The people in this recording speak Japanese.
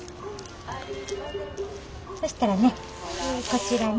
そしたらねこちらに。